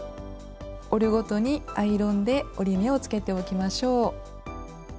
折るごとにアイロンで折り目をつけておきましょう。